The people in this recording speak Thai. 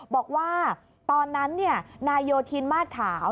บอกว่าตอนนั้นนายโยธินมาสขาว